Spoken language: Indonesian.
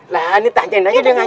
lah ini tanyain aja dia ngajarin